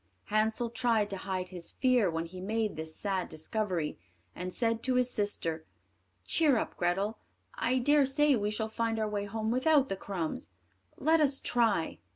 Hansel tried to hide his fear when he made this sad discovery, and said to his sister, "Cheer up, Grethel; I dare say we shall find our way home without the crumbs. Let us try."